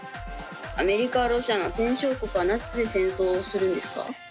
アメリカロシアの戦勝国はなぜ戦争をするんですか？